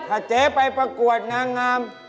ถ้าเจ๊ไปประกวดนางงาม